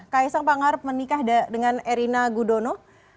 kaisang pangarep menikah dengan erina gudono